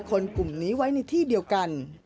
คนกลุ่มนี้ไว้ในที่เดียวกัน